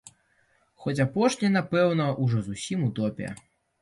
Хоць апошняе, напэўна, ужо зусім утопія.